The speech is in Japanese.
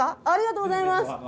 ありがとうございます。